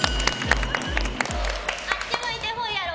あっちむいてホイやろう！